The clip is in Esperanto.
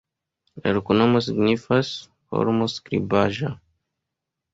La loknomo signifas: holmo-skribaĵa.